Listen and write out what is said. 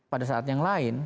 pada saat yang lain